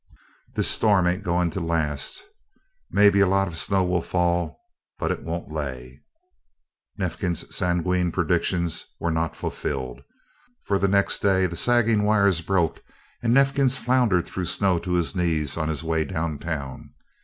"This storm ain't goin' to last. May be a lot of snow will fall, but it won't lay." Neifkins' sanguine predictions were not fulfilled, for the next day the sagging wires broke and Neifkins floundered through snow to his knees on his way down town.